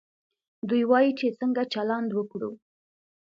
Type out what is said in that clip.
دوی وايي چې څنګه چلند وکړو.